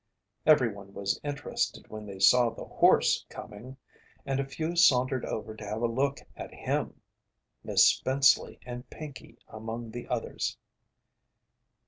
Everyone was interested when they saw the horse coming, and a few sauntered over to have a look at him, Miss Spenceley and Pinkey among the others.